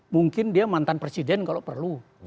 mungkin dia mantan presiden kalau perlu